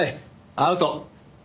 アウト。